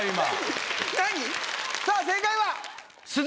さぁ正解は？